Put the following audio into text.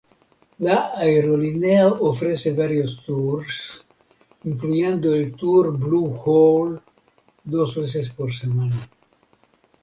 La aerolínea ofrece varios tours, incluyendo el tour Blue Hole dos veces por semana.